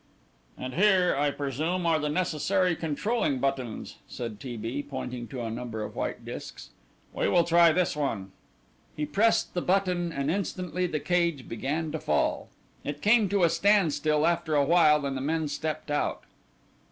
"And here I presume are the necessary controlling buttons," said T. B., pointing to a number of white discs; "we will try this one." He pressed the button and instantly the cage began to fall. It came to a standstill after a while and the men stepped out.